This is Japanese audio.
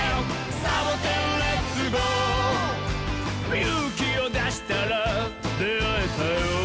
「ゆうきをだしたらであえたよ」